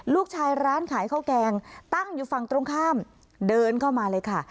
ร้านขายข้าวแกงตั้งอยู่ฝั่งตรงข้ามเดินเข้ามาเลยค่ะ